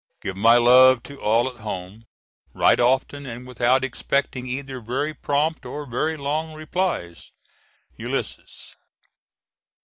Give my love to all at home. Write often and without expecting either very prompt or very long replies. ULYS.